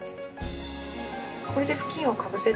これで布巾をかぶせて。